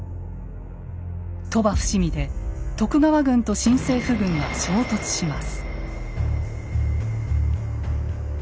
鳥羽・伏見で徳川軍と新政府軍が衝突します。